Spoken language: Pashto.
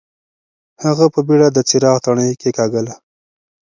هغه په بېړه د څراغ تڼۍ کېکاږله.